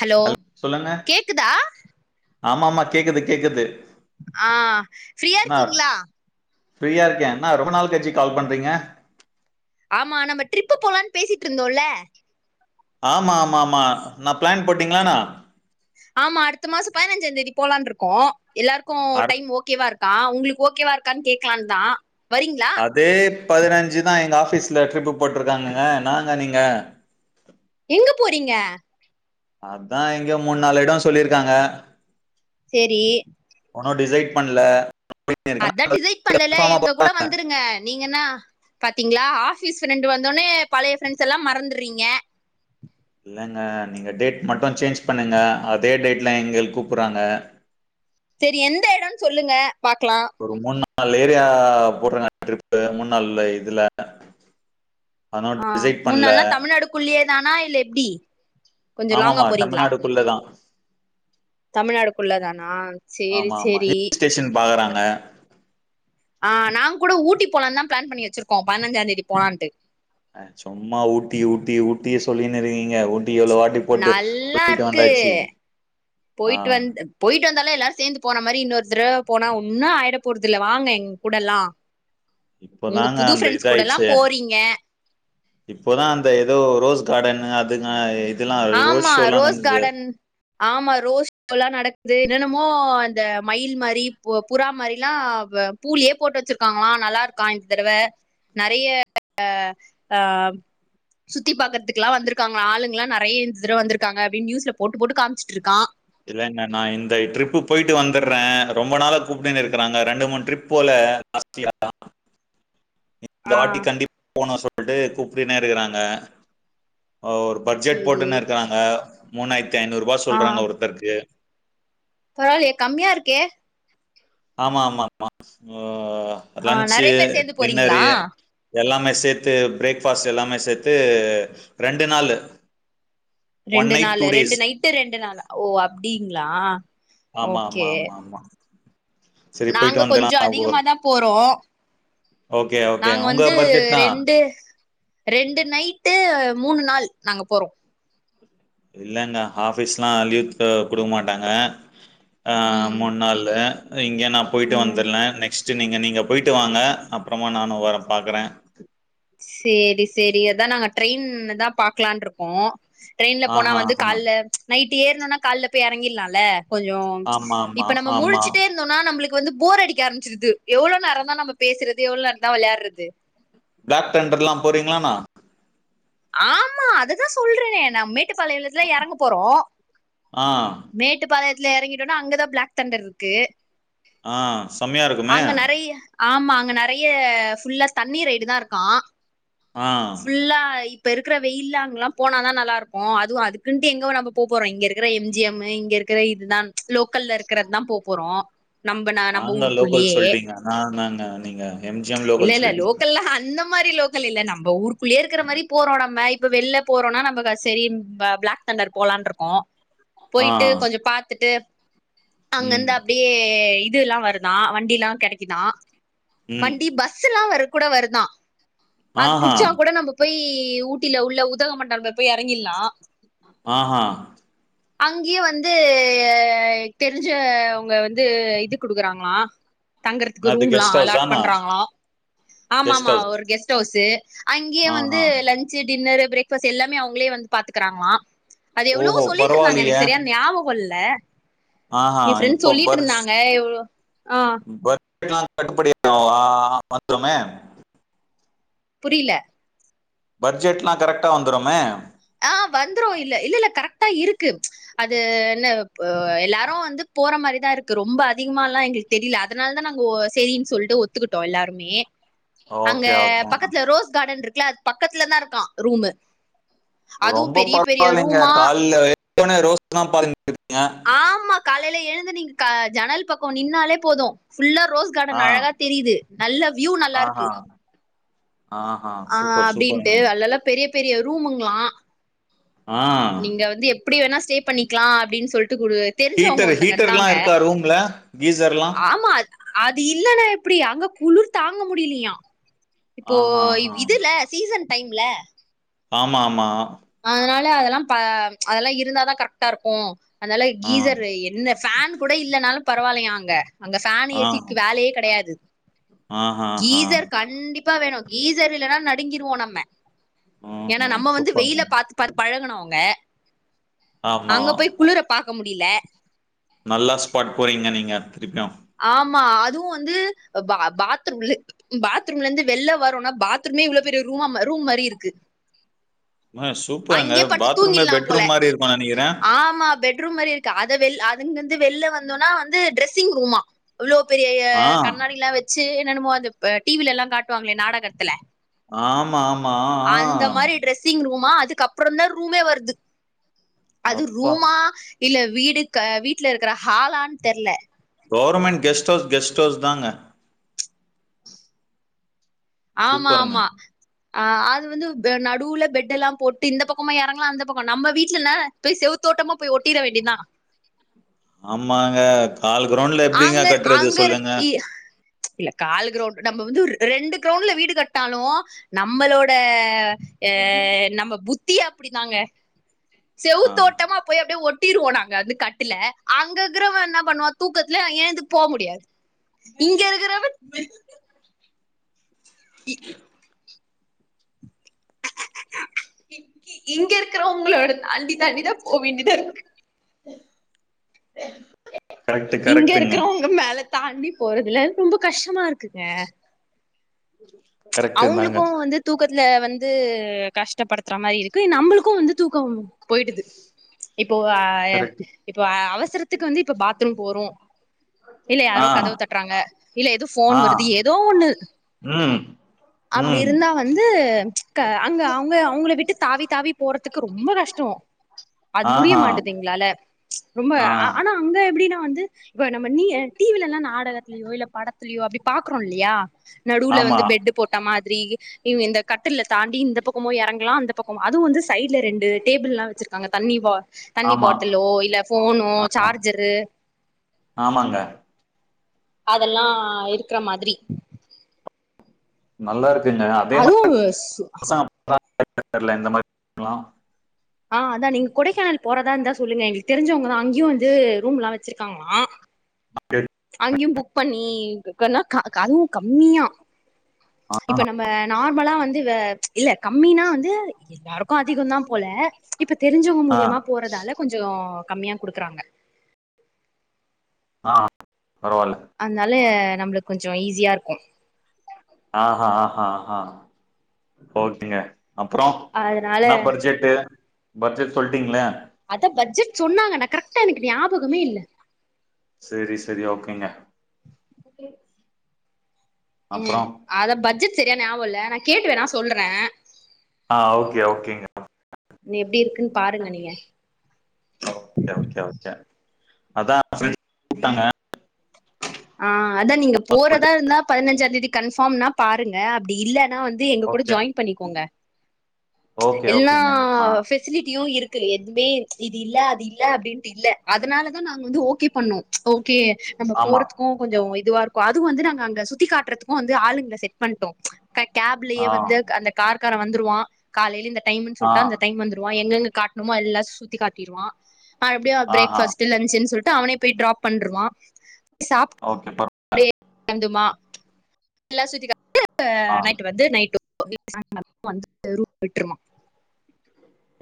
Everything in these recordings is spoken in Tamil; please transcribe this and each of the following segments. ஹலோ கேக்குதா ஆமமா கேக்குது கேக்குது ஆஹ் ஃப்ரீயா அண்ணா இருக்கீங்களா ஃப்ரீயா இருக்கேன் எனா ரொம்ப நாள்கலிச்சு கால் பண்றீங்க ஆமா நம்ம டிரிப்பு போலான்னு பேசிட்டுருந்தோம்ல ஆமா ஆம ஆமா நான் பிளான் ப போட்டீங்னா என்ன ஆமா அடுத்த மாசம் பதினஞ்சாம்ந்தேதி போலானுஇருக்கோம் எல்லாருக்கும் அர் டைம் ஓகேவா இருக்க உங்களுக்கு ஓகேவா இருக்கான்னு கேக்கலான்னு தான் அதே பதினஞ்சு தான் எங்க ஆஸ் ஆபீஸ்ல ட்ரிப்பு போட்ருக்காங்கங்க என்னங்க நீங்க எங்க போறீங்க அதான் எங்க மூணு நாலு இடம் சொல்லிருக்காங்க சேரி ஒன்னும் டிசைட் பண்ணல அதான் டிசைட் பண்ணலல எங்க கூட வந்துருங்க நீங்கனா பாத்தீங்களா ஆஃப் குட்டிஸ் ரெண்டு வந்தோனே பழய பிரண்ட்ஸ் எல்லாம் மறந்துறீங்க இல்லைங்க நீங்க டேட் மட்டும் சேஞ்ச் பண்ணுங்க அதே டேட்ல எங்க கூப்பறாங்க சரி எந்த எடம்னு சொல்லுங்க பாக்கலா நாள் ஏரியா போட்றங் ரிப்பு முன்னாள்ல இதுல அதனால ஆ டிசைட் மூண் பண்ல நால்ல தமிழ்நாடுக்குள்ளியே நானா இல் எப்டி கொஞ்சம் லாங்கா ஆமாமா போறீங்களா தமிழ்நாடுக்குள்ளதா தமிழ்நாடுக்குள்ளதானா சேரி ஆமா ஆமா சேரி ஹில் ஸ்டேஷன் பாக்குறாங்க ஆனால் நாங் கூட ஊட்டி போலான தான் பிளான் பண்ணி வச்சிருக்கோம் பதினஞ்சா தேதி போலான்ட்டு தொலி நெறிங் ங ஊட்டி எவ்ள வாட்டி போட்டு நல்லா போயிட்டு இருக்கு வந்தாச்சு ஆ ந்தாலே எல்லாரும் சேர்ந்து போன மாரி இன்னொரு தடவ போனா ஒன்னு ஆயிட போறதில்ல வாங்க எங் கூட எல்லாம் இப்பதாங்க அந்த இத ஆயிட்ச்சி போறீங்க இப்போதா அந்த எதோ ரோஸ் கார்டன் அது இப்டிதாயிக் ஆமா ரோஸ் கார்டன் ஆமா ரோஸ்ப்ல நடக் இத என்னன்னமோ அந்த மயில் மாரி புறா மாரிலாம் பூலயே போட்டு வச்சிருக்காங்ளா நல்லா இருக்கா இந் தடவ நறய ஆ சுத்தி பாக்கறதுக்கெலாம் வந்ருக்காங்களா ஆளுங்கல ந [inaudible] [inaudible] வந்ருக்காங்க அப்டினு நியூல போட்டு போட்டு காமிச்ட்டு இருக்கா இல்லங்க நா இந்த ட்ரிப் போயிட்டு வந்துறேன் ரொம்ப நாள கூப்ட்டுர்ன்ன இருக்கறாங்க ரெண்டு மூணு ட்ரிப் போல ஜஸ்தியான் நீ இந்த ஆ வாட்டி கண்டிப் போன சொல் விடு கூப்பிடனே இருக்றாங்க ஒரு பட்ஜெட் சேரி போட்டுன்னு இருக்றாங்க மூனக் நுத்தி ஐநூறு ரூபா சொல்றாங்க ஒருத்தருக்கு பராலையே கம்மியா இருக்கே ஆமா ஆமா ம ஸ்மோ ஓ ஆ லஞ்சி நெறைய பேர் சேந்து போறீங்களா டின்னரு எல்லாமே சேர்த்து பிரேக்பாஸ் எல்லாமே சேத்து ரெண்டு நாள் ரெண்டு நாள் ரெண்டு நைட்டு ரெண்டு நாாளா ஓ அப்டிங்களா ஆமா ஆமா ஓகே ஆமா ஆமா சரி போயிட்டு நாங்க கொஞ்ச வந்துலாம் அதிகமாத போறோம் ஓகே ஓகே நாங்க உங்க வந்து பட்ஜெட் தான் ரெண்டு ரெண்டு நைட்டு மூணு நாள் நாங்க போறோம் இல்லங்க ஆஃபீஸ்லாம் லீவ்த்ட் குடுகமாட்டாங்க ஆ ம் மூணு நாள்லு இங்கே நான போயிட்டு ம் வந்துர்லே நெக்ஸ்ட் ச் நீங்க நீங்க போயிட்டு வாங்க அப்றமா நானு வர பாக்றேன் சேர்ரி சேர்ரி அத நாங்க ட்ரெயின் தான் பாக்கலானு இருக்கோம் ட்ரெயின்ல போனா ஆஹா வந்து ஆஹா கால்ல நைட் இப்ப ஏறணும்னா கால்ல போய் இறங்கிடலாம்ல கொஞ்சம் ஆமா ஆமா இப்ப நம்ம ஆமா முழச்சுட்டே இருந்தோம்னா நம்மளுக்கு வந்து போர் அடிக் ஆரம்பச்சிருது எவ்ள நேரதான் நம்ம பேசுற எவ்ளவு நேரதான் வெளையாட்றது பிளாக் தண்டர்ல்லாம் போறீங்களானா ஆமா அததான் சொல்றேனே நம்மிட்டு பலையலத்தில்ல எறங்க போறோம் ஆ மேட்டு பாளைய வீட்ல எறங்கிடோனா அங்கதான் பிளாக் தண்டர் இருக்கு ஆஹ் செம்மையா இருக்குமே அங்க நெறைய ஆமா அங்க நிறைய ஃபுல்லா தண்ணீரைடு தான் இருக்கான் ஆ ஃபுல்லா இப்ப இருக்கிற வெயில்ல அங்கல்லாம் போனாதான் நல்லா இருக்கும் அதுவும் அதுக்குன்ட்டு எங்க நம்ம போ போறோம் இங்க இருக்கிற எம்ஜிஎம் இங்க இருக்கிற இதுதான் லோக்கல்ல இருகிறதுதான் போ போறோம் நாங்க லோக்கல் சொல்லிட்டீங்க ந நங்க நீங்க எம்ஜிஎம் லோக்கல் சொல்ட்டீங்க அி [unintelligible] க்கல்ல நம்ம ஊருக்குள்ளே இருக்கிற மாரி போறோம் நம்ம இப்ப வெளில போறோம்னா நம்ம சரி பிளாக் தண்டர் போலான்ருக்கோம் ஆ போய்ட்டு கொஞ்சம் பாத்துட்டு ம் அங்கந்து அப்படியே இது எல்லாம் வருதான் வண்டில்லாம் கெடைக்குதான் ம் வண்டி பஸ்ல்லாம் வருத் கூட வருதான் அது ஆஹா புடிச்சா கூட நம்ம போய் ஊட்டில உள்ள உதக மண்டங்கள் போய் எறங்கிர்லாம் ஆஹ் ஆஹ் அங்கயே வந்து தெரிஞ்ச உங்க வந்து இது குடுக்குறாங்களா தங்கறதுக்கு நாது ரூம்ல்லாம் கெஸ்ட் அலாட் ஹவுஸானா பண்றாங்கள ஆமா கெஸ்ட் ஆமா ஹவுஸ் ஒரு கெஸ்டவுஸ் அங்கயே வந்து ஆஹா ல டின்னர் பிரேக்ஃபாஸ்ட் எல்லாமே அவங்களே வந்து பாத்துக்கிறாங்களாம் அது எவ்வளவோ ஓஹோ சொல்லிட்டு இருந்தாங்க பரவாயில்லியே எனக்கு சரியா ஞாபகல்ல ஆஹா என் ஃப்ரெண்ட் இப்போ பர்ஸ் சொல்லிட்ருந்தாங்க எவ்ளோ ஆஹ் [unintelligible] புரியல பட்ஜெட்லாம் கரெக்டா வந்துரும்மே ஆஹ் வந்துரும் இல்ல இல்ல இல்ல கரெக்டா இருக்கு அது என்ன எல்லாரும் வந்து போற மாரிதான் இருக்கு ரொம்ப அதிகம எல்லாம் எங்களுக்கு தெரியல அதனால தான் நாங்க செரின்னு சொல்லிட்டு ஒத்துக்கிட்டோம் எல்லாருமே அங்க ஓகே ஓகே பக்கத்துல ரோஸ் கார்டன் இருக் பக்கத்துலதான் இருக்கான் ரூமு அதுவும் ரொம்ப பெரிய பெரிய பரவாலிங்க ரூமா கால எடுத்தன ரோஸ் தான் பருங்க ல்லலே எழுந்து நீங் க ஜனல் பக்கம் நின்னாலே போதும் ஃபுல்லா ரோஸ் காடன் ஆ அழக தெரிது நல்ல வியூ நல்லாருக்கு ஆஹா ஆஹா ஆஹ் சூப்பர் அப்டின்ட்டு சூப்பருங்க அல்லல்ல பெரிய பெரிய ரூமுங்களா ஆ நீங்க வந்து எப்டி வேணாஸ் ச்சே பண்ணிக்கலா அப்டின் சொல் கீட்டர் ஹீட்டர்ல்லா இருக்கா ரூம்ல கீசர்லா ஆமா அது இல்லனா எப்டி அங்க குளுர் தாங்க முடியிலயா இப்போ ஆஹா ஹா இதுல சீசன் டைம்ல ஆமா ஆமா அதனால அதெல்லாம் ப அதெல்லா இருந்தாதான் கரக்டா இருக்கு அதால ஆ கீசர் என்ன ஃபேன் கூட இல்லனாலு பரவாலில்யா அங்க அங்க ஃபேன் ஆ ஏசிக்கு வேலையே கெடையாது ஆஹா ஹா கீசர் கண்டி ப்ப வேணு கீசர் இல்லனா நடுங்கிருவோ நம்ம ஹம் ஹம் சூப்பர்ங்க பழகனோங்க ஆமா நல்லா ஸ்பாட் போறீங்க நீங்க [unintelligible] ஆமா அதுவு வந்து பா பாத்ரூஉல்லு பாத்ரூம்லந்து வெள்ள வருனா பாத்ரூமே இவ்ளோ பெரிய ரூமா ரூம் மாரி இருக்கு ம சூப்பங்க அங்கயே படுத்து பாத்ரூமே தூங்கிடலா பெட்ரூம் மாரி இருக்கு நெனக்கிற த்ரும் மாரி இருக்க அத வெள் அதங்கிந்து வெல்ல வந்தோனா வந்து டிரெஸ்ஸிங் ரூமா வ்ளோ பெரிய ஆ கண்ணாடிலா வச்சு என்னமோ அது டிவிலலா காட்டுவாங்கலே நாடகத்தல ஆமா ஆமா ஹா துக்கு அப்பற தான் ரூமே வருது அது அப்பா ரூமா இல்ல வீடுக வீட்ல இருக்கற ஹாலான் தெர்ல கொவர்மெண் கெஸ்ட்டோஸ் கெஸ்ட்டோஸ் தாங்க ஆமா சூப்பருங்க ஆமா ஆஹ அது வந்து பெ நடுவுல பெட்டெல்லா போட்டு இந்த பக்கமா எரங்களாம் அந்த பக்க நம்ம வீட்டுல போய் செவுத்தோட்டமா போய் ஒட்டிட வேண்டிதான் கிரவுண்டுல எப்டிங்க அங்க கட்றது அங்க இரு சொல்லுங்க இ- இல்ல கால் கிரவுண்ட் நம்ம வந்து ரெண்டு கிரவுண்டுல வீடு கட்டினாலு நம்மளோட ஏ அஹ நம்ம புத்தி அப்புடி தாங்க ஆ செவுத்தோட்டமா போய் அப்புடி ஒட் கட்டிர்வோ நாங்க வந்து கட்டுல அங்கருக்குவோ என்ன பண்ணுவா தூக்கத்துல ஏழுந்து போ முடியாது இங்க இருக்கிறவ [unintelligible] [inaudible] இங்க இருக்கறவுங்களோட தாண்டி தாண்டி தா போ வேண்டிதா இருக்கு [inaudible] இங்க கரெக்ட்டுங்க இருக்கிறவுங்க மேல தாண்டி ப் போறதுல ரொம்ப கஷ்டமா இருக் [unintelligible] ப் கரெக்ட்டு அவுங்களுக்கு தாங்க வந்து தூக்க இதுல வந்து கஷ்டப்படுத் கத்துற மாரி இருக்கு நம்புளுக்கு வந்து தூக்க போயிடுது இப்போஹ ஹ கரெக்ட் இப்போ அவசரத்துக்கு வந்து இப்ப பாத்ரூம் போறோ இல்ல யாரோ ஆ கதவு தட்றாங்க இல்ல ஏதோ போன் ஆ வருது எதோ ஒண்ணு ம் அப்புடி ம் இருந்தா வந்து அங்க அவுங்க அவுங்கள விட்டு தாவி தாவி போறதுக்கு ரொம்ப கஷ்டோ அது முடிய ஆஹா மாட்டேங்குது எங்ளால ப்ச ரொம்ப ஆ ஆனா அங்க எப்டினா வந்து நம்ம நீடிவில்லலா நாடகத்தலயோ இல்ல படத்துலயோ அப்புடி பாக்கறோ இல்லையா நடுல ஆமா வந்து பெட்டு போட்ட மாதிரி இவுங்க இந்த கட்டுல தாண்டி இந்த பக்கமு இறங்கலா அந்த பக் அதுவு வந்து சைடு்ல ரெண்டு டேபிள் எல்லா வச்சிருக்காங்க தண்ணி பா தண்ணி ஆமா பாட்டிலோ இல்ல போனோ ஆ சார்ஜரு ஆமாங்க அதெல்லா இருக்குற மாதிரி நல்லா இருக்கு அதுவுஸ் எந்த மாதிரி இருக்கலாம் ஆஹ அதான் நீங்க கொடைக்கானல் போறதா இருந்தா சொல்லுங்க எங்களுக்கு தெரிஞ்சவுங்கதா அங்கேயு வந்து ரூம் எல்லா வச்சுருக்காங்களா அங்கியு புக் பண்ணி [unintelligible] கம்மியா ஆ இப்ப நம்ப நார்மலா வந்து வ இல்ல கம்மினா வந்து எல்லாருக்கு அதிக தா போல இப்ப தெரிஞ்சவோங்க ஆ மூலியமா போறதாலகொஞ்சோ கம்மியா குடுத்துறாங்க ஆ பரவால்ல அதனால அ நம்மளுக்கு கொஞ்சம் ஈஸியா இருக்கும் ஆஹ்ஹ ஆஹஹ ஆஹ் ஓகேங்க அப்புறம் அதனால என்ன பட்ஜெட்டு பட்ஜெட் சொல்லிட்டிங்களே அத பட்ஜெட் சொன்னாங்க ந கரெக்டா எனக்குஞாபம் முகமே இல் செரி செரி ஓகேங்க அப்றோ ம் அத பஜ்ட் சரிய ஞாப இல்ல என ஆ ஓகே ஓகேங்க எப்டி இருக்குன்னு பாருங்க நீங்க அதான் அ கூப்பிட்டாங்க ஆ அதான் நீங்க போறதா சொல்ட்டு இருந்தா பதினஞ்சா தேதிக்கு கன்ஃபார்ம்னா பாருங்க அப்படி இல்லன் னா வந்து எங்க கூட ஓகே ஜாயின் பண்ணிக்கோங்க ஓகே எல்லா ஓகேங்க ஆ பெஃசிலிட்டியும் இருக் க்கு எதுவுமே இது இல்ல அது இல்ல அப்டின்னுட்டு இல்ல அதனாலதான் நாங்க வந்து ஓகே பண்ணோம் ஓகே நம்ம ஆமா போறதுக்கும் கொஞ்சம் இதுவா இருக்கு அது வந்து நாங்க அங்க சுத்தி காட்டுறதுக்கும் வந்து ஆளுங்களை செட் பண்ணிட் [inaudible] கேப்லயே ஆ வந்து அந்த கார்க க்கார வந்துருவான் காலையில இந்த டைம்னு ஆ சொல்லி அந்தடைம் வந்துருவ எங்க காட்ட இம்மா எல்லாம் சுத்தி காட்டிடுவான் மறுபடியும் பிரேக் ஆஹா ஸ்ட்லன்ச்ன்னு சொல்லட் அவனே போய் ட்ராப் பண்ருவான் ஓகே பா நடறந்துமா எல்லாம் சுத்தி ஆ [inaudible] நைட வந்து நைட்டு [inaudible] வந்து தெரு விட்டுருமா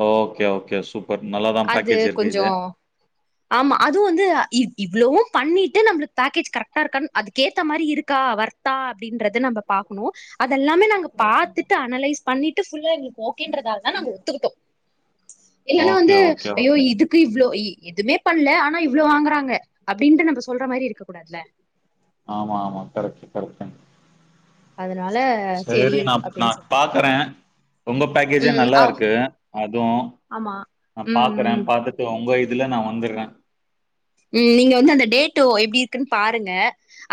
ஓகே ஓகே சுப்ப இப்ப நல்லாதான் அது பேக்கேஜ் இருக்கு கொஞ்சோ இது ஆமா அதுவும் வந்து இவ்வளவும் பண்ணிட்டு நம்மளுக்கு பேக்கேஜ் கரெக்டா இருக்கான்னு அதுக்கேத்த மாதிரி இருக்கா வர்த்தா அப்டின்றத நம்ம பாக்கணும் அதெல்லாமே நாங்க ஓகே பாத்துட்டு அனலைஸ் பண்ணிட்டு ஃபுல்லா ஓகோக்கன்றதால தான் நாங்க ஒத்துருட்டோம் இல்லன்னா ஓகே வந்து ஓகே ஐயோ ஓகே. இதுக்கு இவ்ளோ எதுவுமே பண்ணல ஆனா இவ்வளோ வாங்கறாங்க அப்புடின்னுட்டு நம்ம சொல்ற மாதிரி இருக்க கூடாதுல ஆமா ஆமா கெடைக்கு கெடைக்கு அதனால சரி சேரி நான் அப்டின்னு நான் சொல்லி பாத்தோ பாக்குறேன் உங்க பேக்கேஜே ம் நல்லா இருக்கு அதுவும் ஆமா நான் ம் ம் பாக்குறேன் பாத்துட்டு உங்க இ இதுல நான் வந்துடுறேன் உம் நீங்க வந்து அந்த டேட்டு எப்டி இருக்குன்னு பாருங்க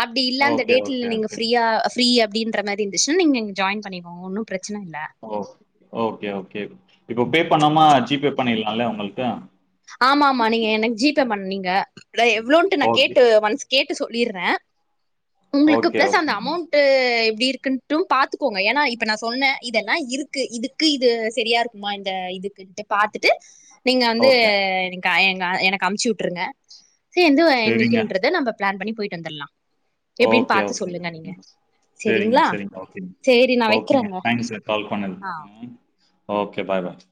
அப்படி இல்ல அந்த ஓகே டேட் ஓகே நீங்க ஓகே ீயா ீ அப்பின்ற மாதி இருச்சு நீங்கங்க ஜாயின் பண்ண ஒன்னும் பிரச்ச பிரச்சன இல்ல ஓ ஓகே ஓகே இப்ப பே பண்ணமா ஜிபே பண்ணலாம்ல உங்களுக்கு ஆமா ஆமா நீங்க எனக்கு ஜிபே பண்ணீங்க எவ்வளவுட்டு நான் ஓகே கேட்டு மனு கேட்டு சொல்லடுறேன் உங்களுக்கு ஓகே ஓகே பிளஸ் அந்த ஓகேங்க. அமௌண்ட எப்படி இருக்குும் பாத்துக்கோங்க ஏன்னா இப்ப நான் சொன்னேன் இதெல்லாம் இருக்கு இதுக்கு இது சரியா இருக்குமா இந்த இதுக்குன்ட்டு பாாரத்துட்டு நீங்க அ ஓகே எனக்கு எங்க எனக்கு அமுச்சு விட்டுருங்க சேர்ந்து நண்ணிக்கின்றத நம்ம பிான் பண்ண போயிட்டு வந்துலாம் ஓகேக சரிங்களா சரிங்கரிக சேரி நா ஓகேங்க வைக்கிறேங்க தேங்க்ஸ் சார் கால் பண்ணது ஆ ஓகே பாய் பாய்